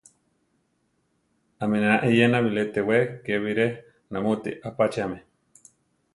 Aminá éyena bilé tewé ké bilé namúti apácheame.